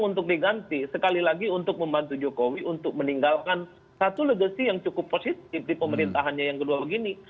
untuk diganti sekali lagi untuk membantu jokowi untuk meninggalkan satu legacy yang cukup positif di pemerintahannya yang kedua begini